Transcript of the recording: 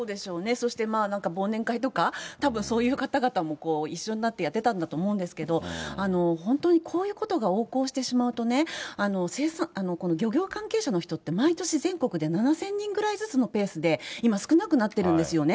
そしてまあ、なんか忘年会とか、たぶんそういう方々も、一緒になってやってたんだと思うんですけども、本当にこういうことが横行してしまうとね、漁業関係者の人って毎年全国で７０００人ぐらいずつのペースで、今、少なくなっているんですよね。